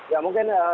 ya mungkin ya